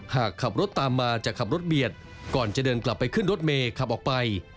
หากขับรถตามมาจะขับรถเบียดก่อนจะเดินกลับไปขึ้นรถเมย์ขับออกไป